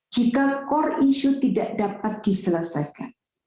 jika core issue tidak dapat diselesaikan